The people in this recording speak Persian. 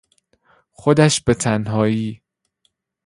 خودش به تنهایی